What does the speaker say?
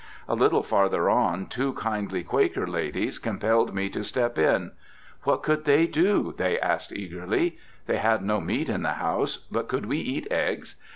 A little farther on, two kindly Quaker ladies compelled me to step in. "What could they do?" they asked eagerly. "They had no meat in the house; but could we eat eggs?